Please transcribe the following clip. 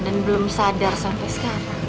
dan belum sadar sampai sekarang